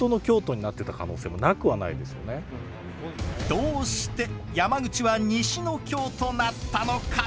どうして山口は西の京となったのか！？